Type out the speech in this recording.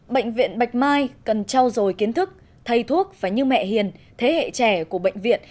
bệnh viện bạch mai cần trao dồi kiến thức thầy thuốc và như mẹ hiền thế hệ trẻ của bệnh viện